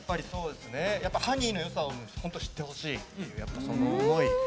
ハニーのよさを本当、知ってほしいその思い。